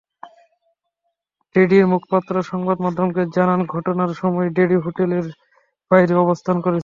ড্যাডির মুখপাত্র সংবাদমাধ্যমকে জানান, ঘটনার সময় ড্যাডি হোটেলের বাইরে অবস্থান করছিলেন।